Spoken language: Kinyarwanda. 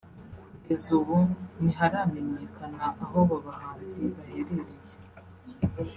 Kugeza ubu ntiharamenyekana aho aba bahanzi baherereye